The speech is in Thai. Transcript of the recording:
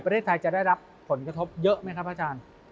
ประเทศไทยจะได้รับผลกระทบเยอะไหมครับอาจารย์